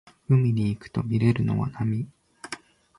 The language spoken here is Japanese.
海に行くとみれるのは波